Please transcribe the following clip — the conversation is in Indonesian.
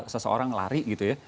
seseorang lari gitu ya